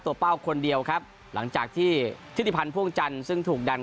เป้าคนเดียวครับหลังจากที่ทิติพันธ์พ่วงจันทร์ซึ่งถูกดัน